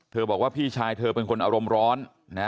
บอกว่าพี่ชายเธอเป็นคนอารมณ์ร้อนนะ